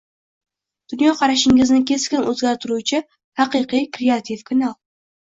— Dunyoqarashingizni keskin o‘zgartiruvchi haqiqiy kreativ kanal!